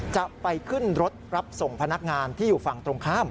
จะไปขึ้นรถรับส่งพนักงานที่อยู่ฝั่งตรงข้าม